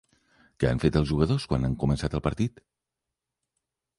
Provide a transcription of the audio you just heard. Què han fet els jugadors quan ha començat el partit?